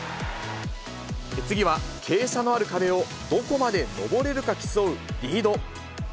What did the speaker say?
次は傾斜のある壁をどこまで登れるか競うリード。